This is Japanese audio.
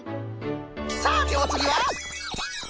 さておつぎは。